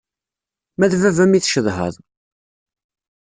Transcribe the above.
Ma d baba-m i tcedhaḍ?